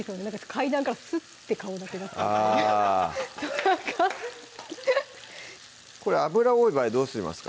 階段からスッて顔だけ出すみたいなあぁこれ脂多い場合どうしますか？